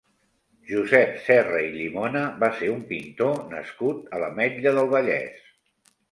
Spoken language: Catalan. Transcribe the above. Josep Serra i Llimona va ser un pintor nascut a l'Ametlla del Vallès.